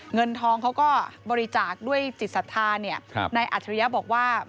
เงินทองเขาก็บริจาคด้วยจิตศัฒนาเนี่ยในอัธิรยาบอกว่าครับ